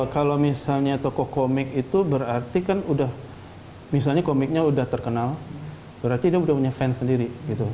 kalau misalnya tokoh komik itu berarti kan udah misalnya komiknya udah terkenal berarti dia udah punya fans sendiri